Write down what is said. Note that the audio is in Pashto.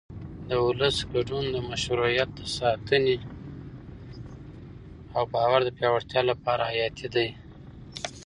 د ولس ګډون د مشروعیت د ساتنې او باور د پیاوړتیا لپاره حیاتي دی